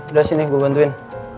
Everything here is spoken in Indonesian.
udah sini gue bantuin